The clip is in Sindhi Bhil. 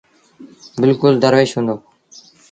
بلڪل دروش هُݩدو۔